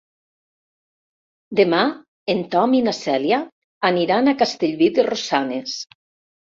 Demà en Tom i na Cèlia aniran a Castellví de Rosanes.